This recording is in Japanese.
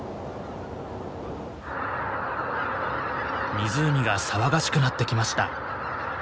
湖が騒がしくなってきました。